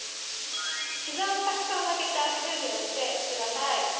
ひざをたくさん曲げて足踏みをしてください。